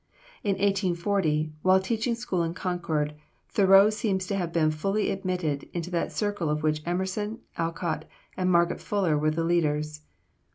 In 1840, while teaching school in Concord, Thoreau seems to have been fully admitted into that circle of which Emerson, Alcott, and Margaret Fuller were the leaders.